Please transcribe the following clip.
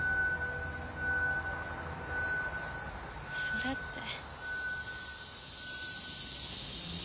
それって。